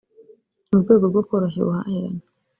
mu rwego rwo koroshya ubuhahirane